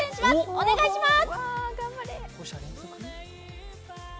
お願いします。